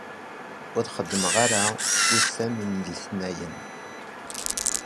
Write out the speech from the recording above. Ur xeddmeɣ ara ussan n letnayen.